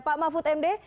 pak mahfud md